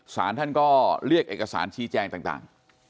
สารท่านก็เรียกเอกสารชี้แจงต่าง